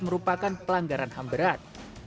merupakan pelanggaran hamberat